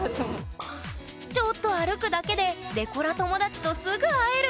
ちょっと歩くだけでデコラ友達とすぐ会える！